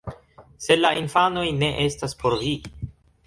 Sed la infanoj ne estas por vi